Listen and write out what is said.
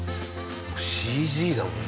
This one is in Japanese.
ＣＧだもん。